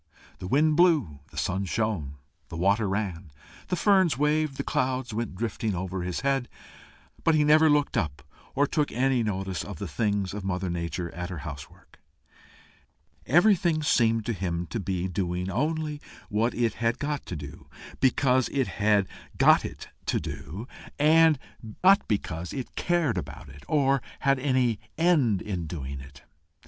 The wind blew, the sun shone, the water ran, the ferns waved, the clouds went drifting over his head, but he never looked up, or took any notice of the doings of Mother Nature at her house work: everything seemed to him to be doing only what it had got to do, because it had got it to do, and not because it cared about it, or had any end in doing it.